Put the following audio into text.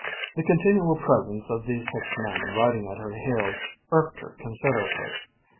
The continual presence of these six men riding at her heels irked her considerably.